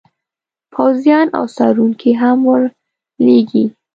پوځیان او څارونکي هم ور لیږي.